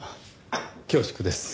恐縮です。